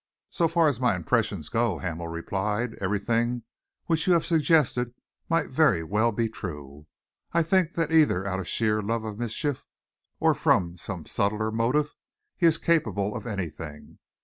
"So far as my impressions go," Hamel replied, "everything which you have suggested might very well be true. I think that either out of sheer love of mischief, or from some subtler motive, he is capable of anything.